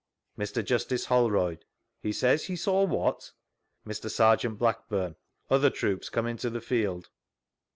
— Mr. Justice Holroyd : He says he saw what ?— Mr. Sbrjeakt Blackburne : Other troops come into the field.